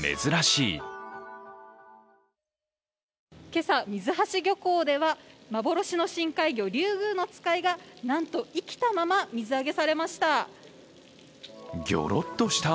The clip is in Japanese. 今朝、岩瀬漁港では、幻の深海魚、リュウグウノツカイがなんと生きたまま水揚げされました。